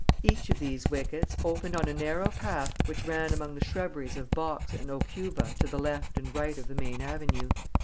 Each of these wickets opened on a narrow path which ran among the shrubberies of box and aucuba to the left and right of the main avenue.